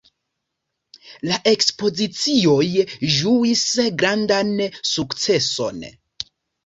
La ekspozicioj ĝuis grandan sukceson.